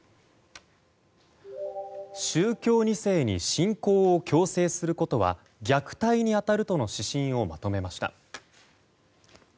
宗教２世に信仰を強制することは虐待に当たるとの指針をまとめました。